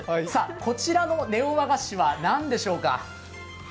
こちらのネオ和菓子は何でしょうか。